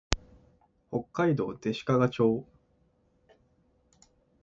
北海道弟子屈町